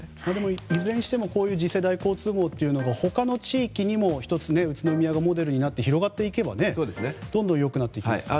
いずれにしても次世代交通網が、他の地域にも１つ、宇都宮がモデルになって広がっていけばどんどん良くなりますよね。